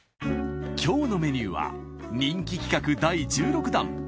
今日のメニューは人気企画第１６弾。